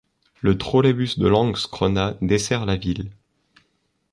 Le trolleybus de Landskrona dessert la ville.